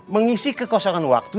mengisi kekosongan waktu